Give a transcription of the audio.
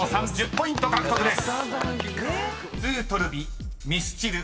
１０ポイント獲得です］